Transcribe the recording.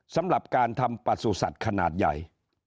สำหรับการทำประสุทธิ์สัตว์ขนาดใหญ่